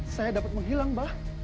saya dapat menghilang mbak